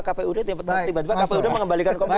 kpud tiba tiba mengembalikan komputer